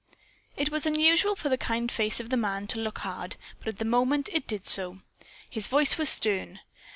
It was unusual for the kind face of the man to look hard, but at that moment it did so. His voice was stern.